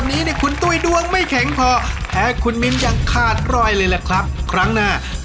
ตักได้เท่าไร